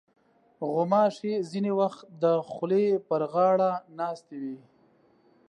غوماشې ځینې وخت د خولې پر غاړه ناستې وي.